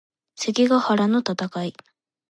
関ヶ原の戦い